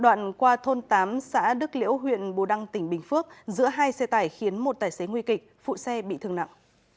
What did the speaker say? đoạn qua thôn tám xã đức liễu huyện bù đăng tỉnh bình phước giữa hai xe tải khiến một tài xế nguy kịch phụ xe bị thương nặng